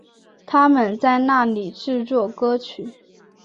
他们在那里制作歌曲。